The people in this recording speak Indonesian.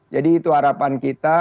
jadi itu harapan kita